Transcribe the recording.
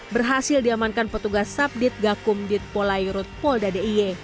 berhasil diamankan petugas sabdit gakum ditpolayurut polda diy